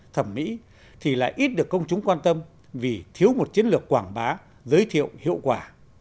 thẩm mỹ thì lại ít được công chúng quan tâm vì thiếu một chiến lược quảng bá giới thiệu hiệu quả